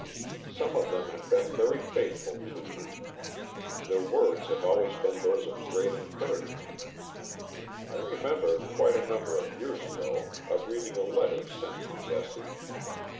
Some of them have been very faithful to him. Their words have always been those of great encouragement. 1 remember, quite a number of years ago, of reading a letter sent to Jesse.